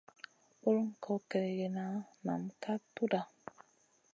Bulum kot kègèna nam ka tudha.